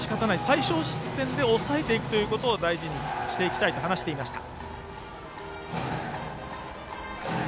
最少失点で抑えていくことを大事にしていきたいと話していました。